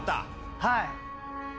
はい。